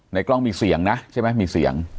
กล้องมีเสียงนะใช่ไหมมีเสียง